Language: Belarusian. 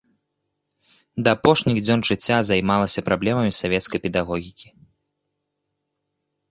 Да апошніх дзён жыцця займалася праблемамі савецкай педагогікі.